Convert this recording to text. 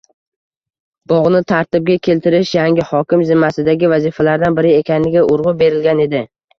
Bogʻni tartibga keltirish yangi hokim zimmasidagi vazifalardan biri ekaniga urgʻu berilgan edi.